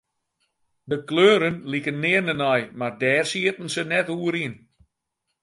De kleuren liken nearne nei, mar dêr sieten se net oer yn.